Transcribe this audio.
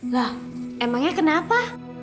lah emangnya kenapa